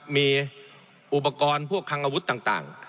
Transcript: มีอุปกรณ์พวกคังอาวุธต่าง